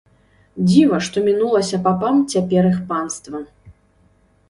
Дзіва, што мінулася папам цяпер іх панства!